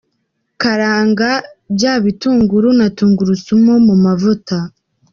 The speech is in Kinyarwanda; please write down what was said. Karanga bya bitunguru na tungurusumu mu mavuta.